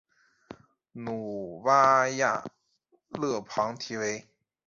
努瓦亚勒蓬提维。